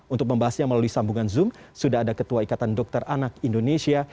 untuk membahasnya melalui sambungan zoom sudah ada ketua ikatan dokter anak indonesia